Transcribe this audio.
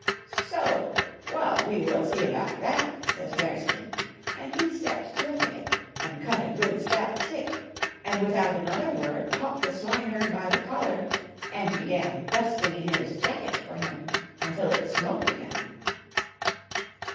" So ! well, we will see about that," says Bearskin, and he stepped to a thicket and cut a good stout stick, and without another word caught the swineherd by the collar, and began dusting his jacket for him until it smoked again.